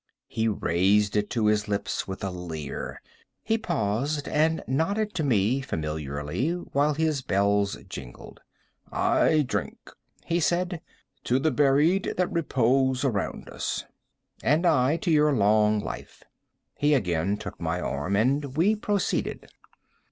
He raised it to his lips with a leer. He paused and nodded to me familiarly, while his bells jingled. "I drink," he said, "to the buried that repose around us." "And I to your long life." He again took my arm, and we proceeded.